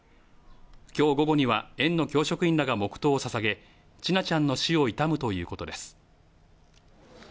きょう午後には、園の教職員らが黙とうをささげ、千奈ちゃんの死を悼むということです。